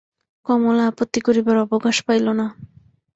কমলা আপত্তি করিবার অবকাশ পাইল না।